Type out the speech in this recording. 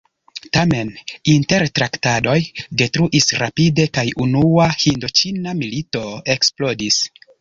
Tamen, intertraktadoj detruis rapide kaj Unua Hindoĉina Milito eksplodis.